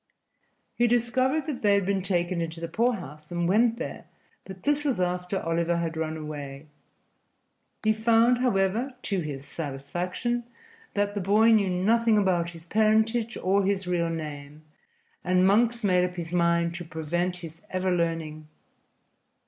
He discovered that they had been taken into the poorhouse, and went there, but this was after Oliver had run away. He found, however, to his satisfaction, that the boy knew nothing about his parentage or his real name, and Monks made up his mind to prevent his ever learning.